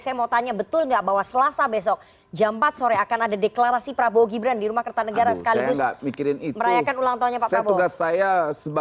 saya mau tanya betul nggak bahwa selasa besok jam empat sore akan ada deklarasi prabowo gibran di rumah kertanegara sekaligus merayakan ulang tahunnya pak prabowo